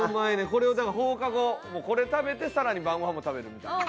これをだから放課後これ食べてさらに晩ご飯も食べるみたいな。